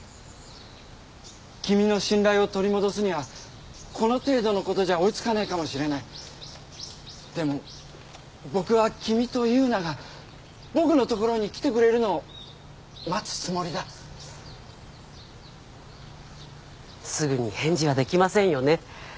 ⁉君の信頼を取り戻すにはこの程度のことじゃ追いつかないかもしれないでも僕は君と優奈が僕のところに来てくれるのを待つつもりだすぐに返事はできませんよね